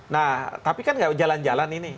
nah tapi kan nggak jalan jalan ini